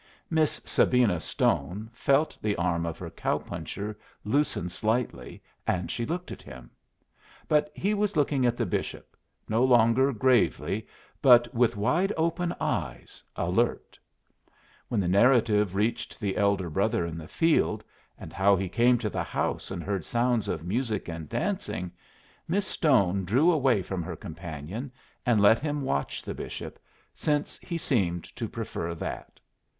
Miss Sabina Stone felt the arm of her cow puncher loosen slightly, and she looked at him. But he was looking at the bishop, no longer gravely but with wide open eyes, alert. When the narrative reached the elder brother in the field, and how he came to the house and heard sounds of music and dancing, Miss Stone drew away from her companion and let him watch the bishop, since he seemed to prefer that.